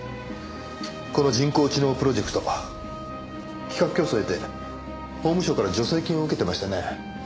この人工知能プロジェクト企画競争を経て法務省から助成金を受けてましたよね？